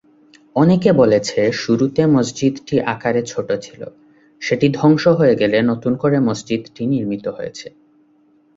অনেকে বলেছে, শুরুতে মসজিদটি আকারে ছোট ছিল, সেটি ধ্বংস হয়ে গেলে নতুন করে মসজিদটি নির্মিত হয়েছে।